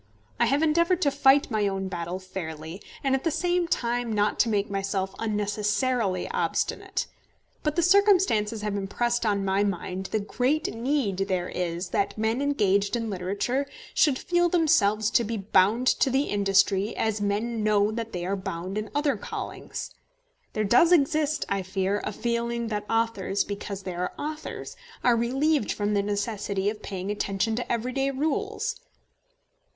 I have endeavoured to fight my own battle fairly, and at the same time not to make myself unnecessarily obstinate. But the circumstances have impressed on my mind the great need there is that men engaged in literature should feel themselves to be bound to their industry as men know that they are bound in other callings. There does exist, I fear, a feeling that authors, because they are authors, are relieved from the necessity of paying attention to everyday rules.